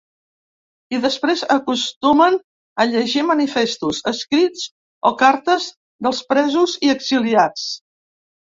I després, acostumen a llegir manifestos, escrits o cartes dels presos i exiliats.